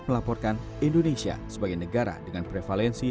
melaporkan indonesia sebagai negara dengan prevalensi